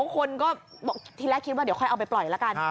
คนก็บอกทีแรกคิดว่าเดี๋ยวค่อยเอาไปปล่อยละกัน